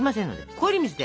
氷水で。